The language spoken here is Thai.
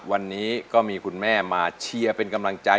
วันนี้ก็มีคุณแม่มาเชียร์เป็นกำลังใจ